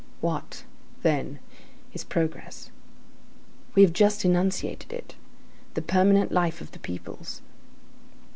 What, then, is progress? We have just enunciated it; the permanent life of the peoples.